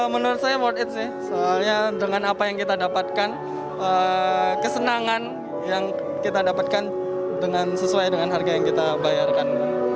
menurut saya worth it sih soalnya dengan apa yang kita dapatkan kesenangan yang kita dapatkan sesuai dengan harga yang kita bayarkan